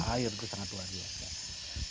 air itu sangat luas